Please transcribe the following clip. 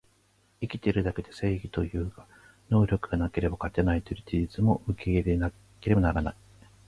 生きてるだけで正義というが、能力がなければ勝てないという事実も受け入れなければならない